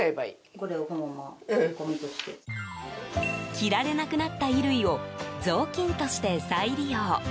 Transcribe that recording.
着られなくなった衣類を雑巾として再利用。